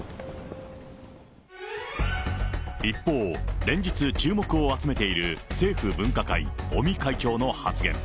一方、連日注目を集めている政府分科会、尾身会長の発言。